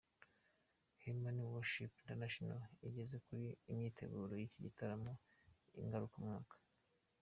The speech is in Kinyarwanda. Heman worshipers International igeze kure imyiteguro y'iki gitaramo ngarukamwaka.